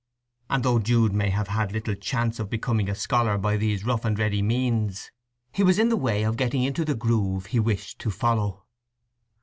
And though Jude may have had little chance of becoming a scholar by these rough and ready means, he was in the way of getting into the groove he wished to follow.